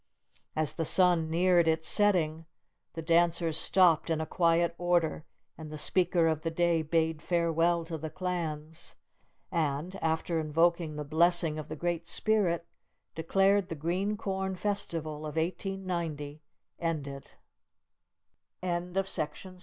"As the sun neared its setting, the dancers stopped in a quiet order, and the speaker of the day bade farewell to the clans ... and, after invoking the blessing of the Great Spirit, declared the Green Corn Festival of 1890 ended." A prophet of the Indians.